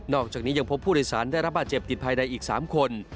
อกจากนี้ยังพบผู้โดยสารได้รับบาดเจ็บติดภายในอีก๓คน